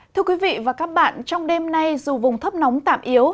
thưa quý vị và các bạn trong đêm nay dù vùng thấp nóng tạm yếu